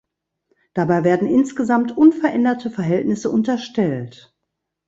Dabei werden insgesamt unveränderte Verhältnisse unterstellt.